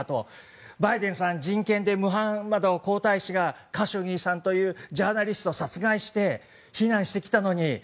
バイデンさん、人権でムハンマドさん皇太子が、カショギさんというジャーナリストを殺害して非難してきたのに。